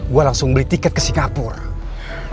gue langsung beli tiket ke singapura